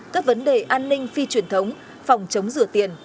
các vấn đề an ninh phi truyền thống phòng chống rửa tiền